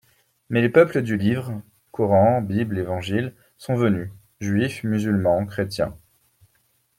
Mais les peuples du Livre (Coran, Bible, Évangile) sont venus : juifs, musulmans, chrétiens.